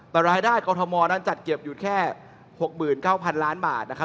แต่รายได้กรทมนั้นจัดเก็บอยู่แค่๖๙๐๐ล้านบาทนะครับ